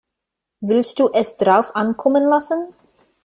Willst du es drauf ankommen lassen?